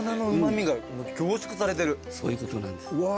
そういうことなんです。